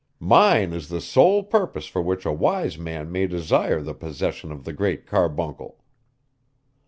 Mine is the sole purpose for which a wise man may desire the possession of the Great Carbuncle.